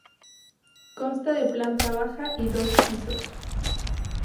Consta de planta baja y dos pisos.